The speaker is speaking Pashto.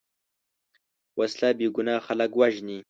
وسله بېګناه خلک وژني